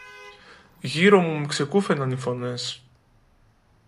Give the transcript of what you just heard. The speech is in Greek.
Γύρω μου με ξεκούφαιναν οι φωνές